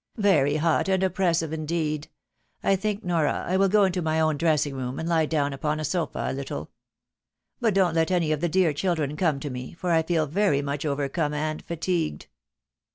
" Very hot and oppressive indeed — ^I tliink, Nora, I will go into my own dressing room, and he down upon the sofa a little. But don't let any of the dear children come to me, for I feel very much overcome and fatigued."